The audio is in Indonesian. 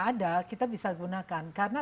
ada kita bisa gunakan karena